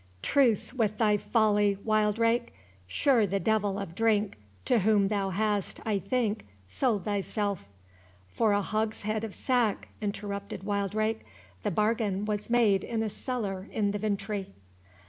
"Truce with thy folly, Wildrake; sure the devil of drink, to whom thou hast, I think, sold thyself"— "For a hogshead of sack," interrupted Wildrake; "the bargain was made in a cellar in the Vintry."